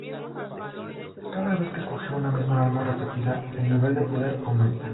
Cada vez que se coge una misma arma repetida, el nivel de poder aumenta.